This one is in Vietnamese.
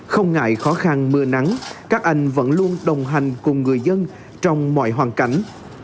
không ngại khó khăn mưa nắng các anh vẫn luôn đồng hành cùng người dân trong mọi hoàn cảnh